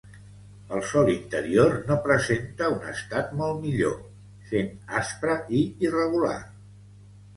El sòl interior no presenta un estat molt millor, sent aspre i irregular.